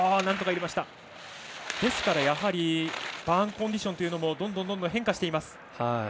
バーンコンディションというのもどんどん変化しています。